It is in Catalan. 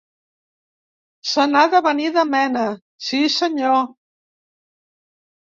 Se n'ha de venir de mena, sí senyor.